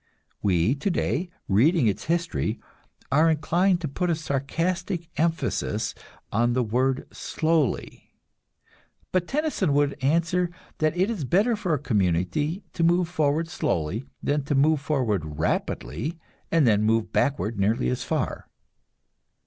We today, reading its history, are inclined to put a sarcastic emphasis on the word "slowly"; but Tennyson would answer that it is better for a community to move forward slowly than to move forward rapidly and then move backward nearly as far.